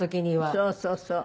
そうそうそう。